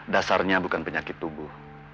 dasarnya bukan penyakit tubuh